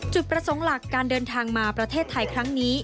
จุดประสงค์หลักการเดินทางมาประเทศไทยครั้งนี้